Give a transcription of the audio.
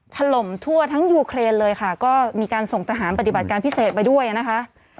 ถล่มทั่วทั้งยูเครนเลยค่ะก็มีการส่งทหารปฏิบัติการพิเศษไปด้วยนะคะ